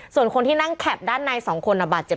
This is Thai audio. ส่วนคนที่นั่งแข็บด้านใน๒คน